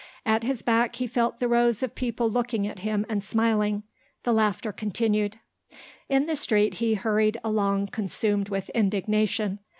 At his back he felt the rows of people looking at him and smiling. The laughter continued. In the street he hurried along consumed with indignation.